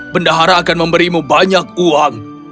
bendahara akan memberimu banyak uang